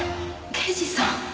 刑事さん？